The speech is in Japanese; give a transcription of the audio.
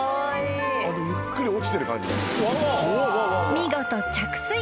［見事着水。